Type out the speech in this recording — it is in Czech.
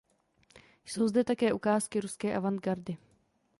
Jsou zde také ukázky ruské avantgardy.